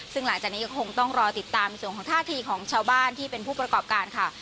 ซึ่งหลังจากนี้ก็คงต้องรอติดตามในส่วนของท่าทีของชาวบ้านที่เป็นผู้ประกอบการค่ะ